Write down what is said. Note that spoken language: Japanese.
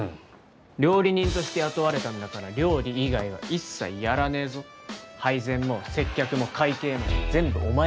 料理人として雇われたんだから料理以外は一切やらねえぞ。配膳も接客も会計も全部お前がやれ。